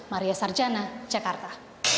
maria sarjana jakarta